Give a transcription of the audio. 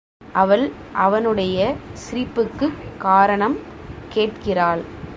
அவள் அவனுடைய சிரிப்புக்குக் காரணம் கேட்கிறாள்.